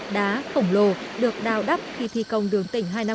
đá khổng lồ được đào đắp khi thi công đường tỉnh hai trăm năm mươi